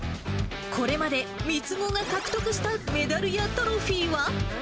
これまで３つ子が獲得したメダルやトロフィーは。